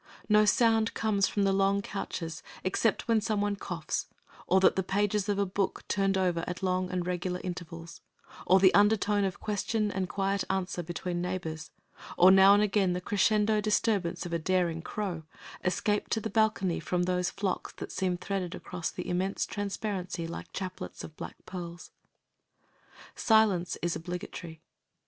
No sound comes from the long couches except when some one coughs, or that of the pages of a book turned over at long and regular intervals, or the undertone of question and quiet answer between neighbors, or now and again the crescendo disturbance of a daring crow, escaped to the balcony from those flocks that seem threaded across the immense transparency like chaplets of black pearls. Silence is obligatory.